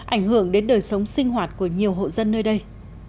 ảnh hưởng đến đời sống sinh hoạt của nhiều hộ dân nơi đây